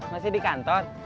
masih di kantor